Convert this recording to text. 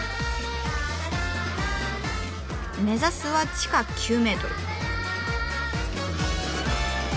目指すは地下９メートル。